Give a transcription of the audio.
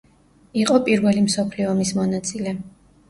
იყო პირველი მსოფლიო ომის მონაწილე.